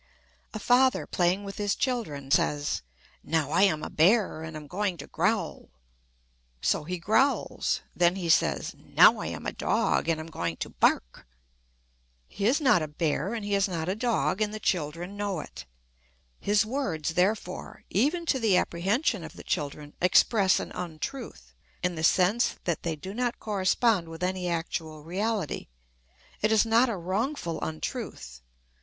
A father, playing with his children, says, "Now I am a bear, and am going to growl." So he growls. Then he says, "Now I am a dog, and am going to bark." He is not a bear, and he is not a dog, and the children know it. His words, therefore, even to the apprehension of the children, express an untruth, in the sense that they do not correspond with any actual reality. It is not a wrongful untruth.